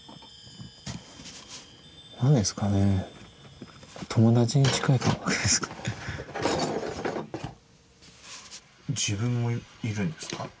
何ですかね自分もいるんですか？